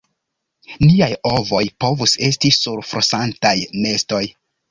"Niaj ovoj povus esti sur flosantaj nestoj!"